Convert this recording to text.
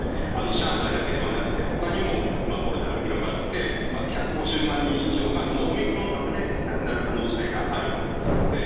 上海だけではなくてほかにもコロナが広がって１５０万人以上がこのオミクロン株で亡くなる可能性があると。